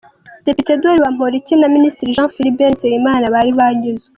Depite Edouard Bamporiki na Minisitiri Jean Philbert Nsengimana bari banyuzwe.